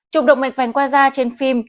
chụp động mạch vành qua da trên phim